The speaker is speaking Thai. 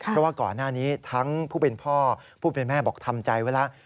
เพราะว่าก่อนหน้านี้ทั้งผู้เป็นพ่อผู้เป็นแม่บอกทำใจไว้แล้ว